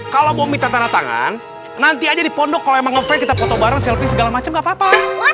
kalau bomit tanpa natangan nanti aja di pondok kalau emang ngefans kita foto bareng selfie segala macem nggak apa apa